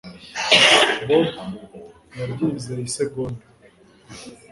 Bobo ntiyabyizeye isegonda